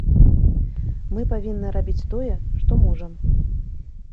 Мы павінны рабіць тое, што можам.